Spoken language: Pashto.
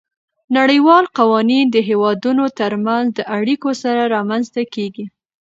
نړیوال قوانین د هیوادونو ترمنځ د اړیکو سره رامنځته کیږي